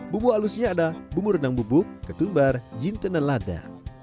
bumbu halusnya ada bumbu renang bubuk ketumbar jinten dan lada